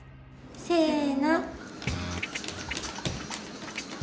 せの。